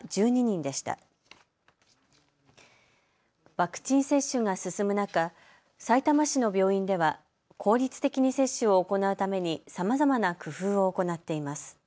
ワクチン接種が進む中、さいたま市の病院では効率的に接種を行うためにさまざまな工夫を行っています。